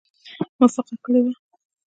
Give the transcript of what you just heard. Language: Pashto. موافقه کړې وه.